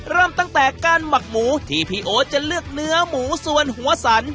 เริ่มตั้งแต่การหมักหมูที่พี่โอ๊ตจะเลือกเนื้อหมูส่วนหัวสัน